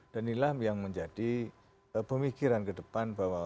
dan inilah yang menjadi pemikiran ke depan bahwa